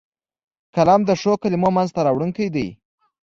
قلم د ښو کلمو منځ ته راوړونکی دی